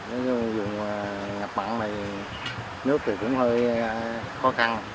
nói chung dù nhập mặn này nước thì cũng hơi khó khăn